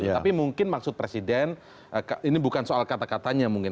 tapi mungkin maksud presiden ini bukan soal kata katanya mungkin